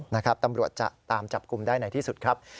นะครับตำรวจจะตามจับกลุ่มได้ในที่สุดครับ